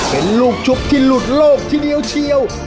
เป็นลูกชุบที่หลุดโลกทีเดียวเชียว